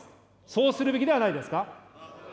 そうするべきではないですか。